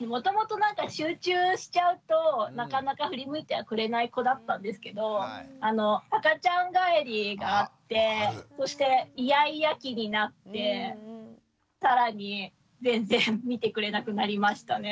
もともと集中しちゃうとなかなか振り向いてはくれない子だったんですけど赤ちゃん返りがあってそしてイヤイヤ期になって更に全然見てくれなくなりましたね。